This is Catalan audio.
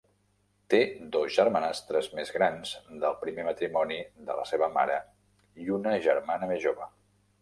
Té dos germanastres més grans del primer matrimoni de la seva mare i una germana més jove.